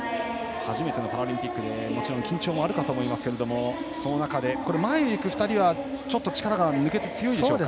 初めてのパラリンピックでもちろん緊張もあるかと思いますがその中で、前にいく２人はちょっと力が抜けて強いでしょうか。